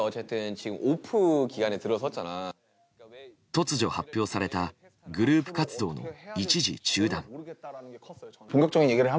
突如発表されたグループ活動の一時中断。